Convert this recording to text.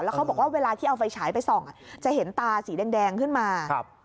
เขาบอกว่าเวลาที่เอาไฟฉายไปส่องจะเห็นตาสีแดงขึ้นมา